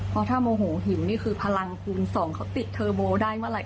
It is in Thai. เพราะถ้าโมโหหิวนี่คือพลังคุณสองเขาติดเทอร์โบได้เมื่อไหร